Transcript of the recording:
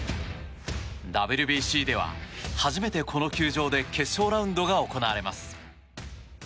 ＷＢＣでは、初めてこの球場で決勝ラウンドが行われます。